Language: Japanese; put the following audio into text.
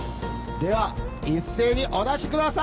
では一斉にお出しください